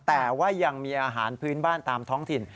แต่ว่ายังมีอาหารพื้นบ้านตามท้องถิ่น